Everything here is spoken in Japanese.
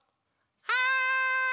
はい！